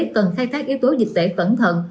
cần khai thác yếu tố dịch tệ cẩn thận